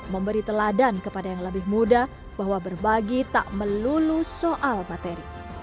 memberi teladan kepada yang lebih muda bahwa berbagi tak melulu soal materi